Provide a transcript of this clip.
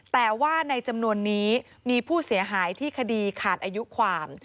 แต่ว่าในจำนวนนี้มีผู้เสียหายที่คดีขาดอายุความ